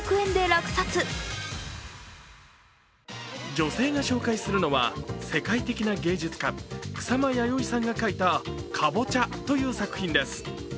女性が紹介するのは世界的な芸術家、草間彌生さんが描いた「かぼちゃ」という作品です。